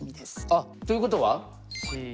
あっということはＣ？